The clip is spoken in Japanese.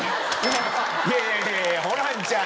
いやいやいやホランちゃん。